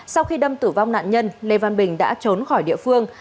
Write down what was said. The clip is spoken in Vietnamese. sau khi đâm tử vong nạn nhân lê văn bình đã trốn khỏi địa phương